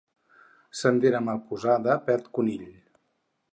Sendera mal posada perd conill.